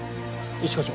一課長。